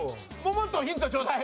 もっとヒントちょうだい！